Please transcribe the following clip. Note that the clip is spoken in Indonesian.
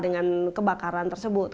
dengan kebakaran tersebut